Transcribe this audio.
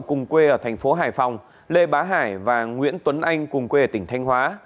cùng quê ở thành phố hải phòng lê bá hải và nguyễn tuấn anh cùng quê ở tỉnh thanh hóa